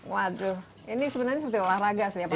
waduh ini sebenarnya seperti olahraga setiap hari ya